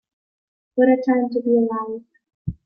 What a time to be alive.